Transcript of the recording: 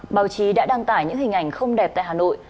báo chí đã đăng tải những hình ảnh không đẹp tại hà nội